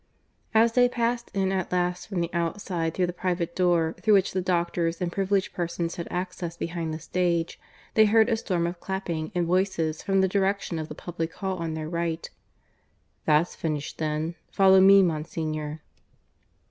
As they passed in at last from the outside through the private door through which the doctors and privileged persons had access behind the stage, they heard a storm of clapping and voices from the direction of the public hall on their right. "That's finished then. Follow me, Monsignor."